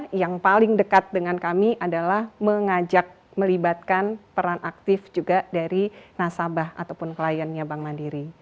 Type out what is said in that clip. dan tentunya yang paling dekat dengan kami adalah mengajak melibatkan peran aktif juga dari nasabah ataupun kliennya bank mandiri